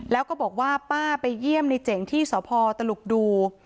แล้วก็บอกว่าป้าไปเยี่ยมในเจ๋งที่สพตลุกดู